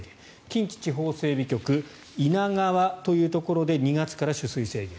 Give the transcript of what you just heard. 近畿地方整備局猪名川というところで２月から取水制限。